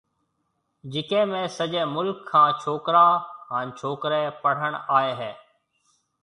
جيڪيَ ۾ سجيَ مُلڪ کان ڇوڪرا ھان ڇوڪرَي پڙھڻ آئيَ ھيََََ